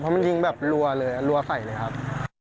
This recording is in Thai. เพราะมันยิงแบบรัวเลยรัวใส่เลยครับ